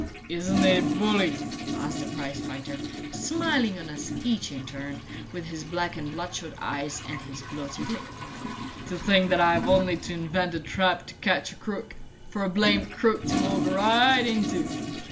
"Isn't it bully?" asked the prize fighter, smiling on us each in turn, with his black and bloodshot eyes and his bloated lip. "To think that I've only to invent a trap to catch a crook, for a blamed crook to walk right into!